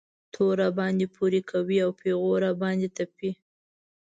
تور راباندې پورې کوي او پېغور را باندې تپي.